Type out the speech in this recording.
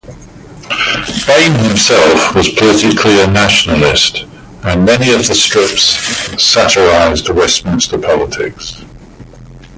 Bain himself was politically a nationalist, and many of the strips satirised Westminster politics.